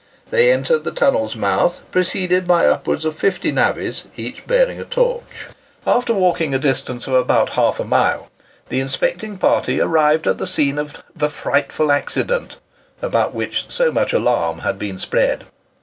They entered the tunnel's mouth preceded by upwards of fifty navvies, each bearing a torch. After walking a distance of about half a mile, the inspecting party arrived at the scene of the "frightful accident," about which so much alarm had been spread.